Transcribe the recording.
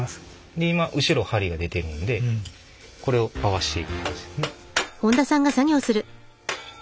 で今後ろ針が出てるんでこれを合わしていく感じですね。